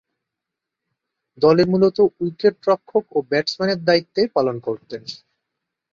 দলে মূলতঃ উইকেট-রক্ষক ও ব্যাটসম্যানের দায়িত্বে পালন করতেন।